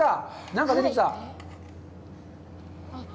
何か出てきた。